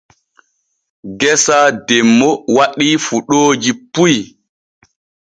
Geesa demmo waɗii fuɗooji puy.